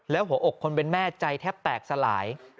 แล้วหัวอกคนเป็นแม่ใจแทบแตกสลาย